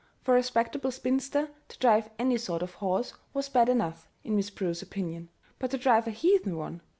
For a respectable spinster to drive any sort of horse was bad enough in Miss Prue's opinion; but to drive a heathen one!